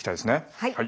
はい。